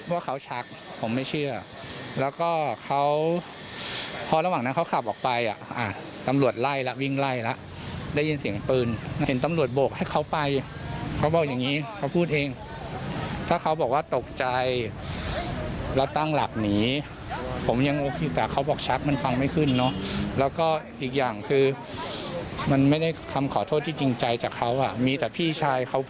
ว่าเขาชักผมไม่เชื่อแล้วก็เขาพอระหว่างนั้นเขาขับออกไปอ่ะตำรวจไล่แล้ววิ่งไล่แล้วได้ยินเสียงปืนเห็นตำรวจโบกให้เขาไปเขาบอกอย่างนี้เขาพูดเองถ้าเขาบอกว่าตกใจแล้วตั้งหลักหนีผมยังโอเคแต่เขาบอกชักมันฟังไม่ขึ้นเนอะแล้วก็อีกอย่างคือมันไม่ได้คำขอโทษที่จริงใจจากเขาอ่ะมีแต่พี่ชายเขา